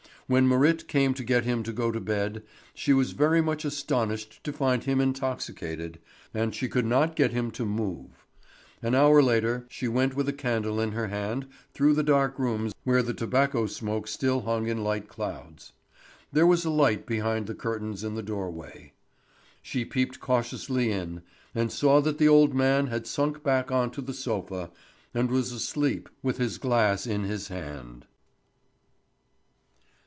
When Marit came to get him to go to bed she was very much astonished to find him intoxicated, and she could not get him to move. An hour later she went with a candle in her hand through the dark rooms where the tobacco smoke still hung in light clouds. There was a light behind the curtains in the doorway. She peeped cautiously in, and saw that the old man had sunk back on to the sofa, and was asleep with his glass in his hand.